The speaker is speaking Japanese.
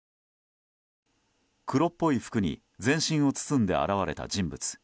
黒っぽい服に全身を包んで現れた人物。